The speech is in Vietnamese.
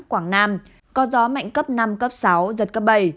quảng nam có gió mạnh cấp năm cấp sáu giật cấp bảy